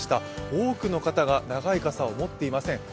多くの方が長い傘を持っていません。